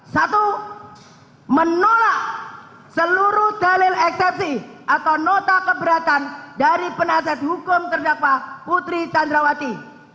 satu menolak seluruh dalil eksepsi atau nota keberatan dari penasihat hukum terdakwa putri candrawati